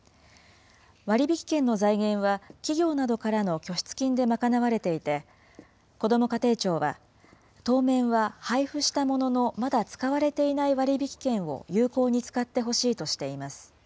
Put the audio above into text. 割引券の財源は、企業などからの拠出金で賄われていて、こども家庭庁は、当面は配付したもののまだ使われていない割引券を有効に使ってほしいとしています。